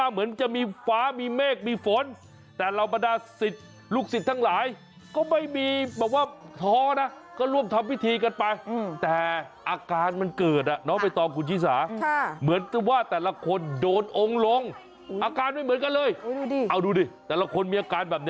เอาดูดิแบบไหนล่าคนมีอาการแบบเนี่ย